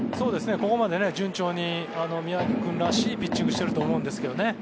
ここまで順調に宮城君らしいピッチングしてると思うんですけどね。